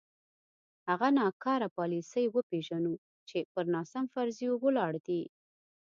هغه ناکاره پالیسۍ وپېژنو چې پر ناسم فرضیو ولاړې دي.